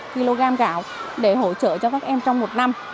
tám trăm linh kg gạo để hỗ trợ cho các em trong một năm